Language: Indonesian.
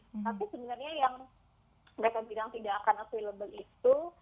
tapi sebenarnya yang mereka bilang tidak akan available itu